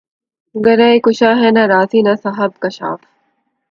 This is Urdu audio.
گرہ کشا ہے نہ رازیؔ نہ صاحب کشافؔ